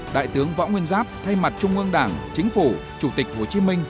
đại tướng võ nguyên giáp thay mặt trung ương đảng chính phủ chủ tịch hồ chí minh